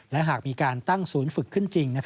และหากมีการตั้งศูนย์ฝึกขึ้นจริง